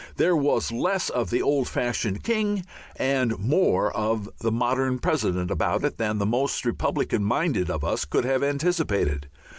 There was less of the old fashioned King and more of the modern President about it than the most republican minded of us could have anticipated.